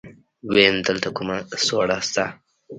ويم دلته کومه سوړه شته.